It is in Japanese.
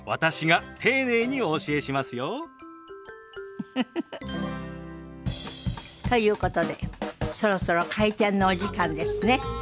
ウフフフ。ということでそろそろ開店のお時間ですね。